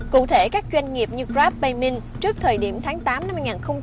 cụ thể các doanh nghiệp như grabpaymint trước thời điểm tháng tám năm hai nghìn hai mươi một